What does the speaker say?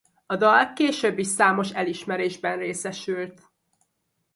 A dal később is számos elismerésben részesült.